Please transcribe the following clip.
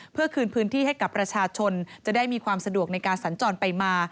เพื่อคืนพื้นที่ให้กับประชาชนจะได้มีความสะดวกในการสัญจรไปมา